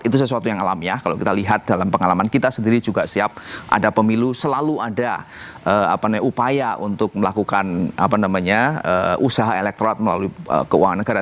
itu sesuatu yang alamiah kalau kita lihat dalam pengalaman kita sendiri juga siap ada pemilu selalu ada upaya untuk melakukan usaha elektorat melalui keuangan negara